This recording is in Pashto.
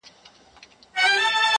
• وېره -